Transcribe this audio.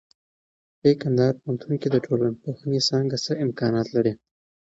اې کندهار پوهنتون کې د ټولنپوهنې څانګه څه امکانات لري؟